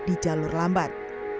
di jalur lambat